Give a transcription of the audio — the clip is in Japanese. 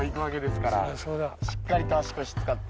しっかりと足腰使って。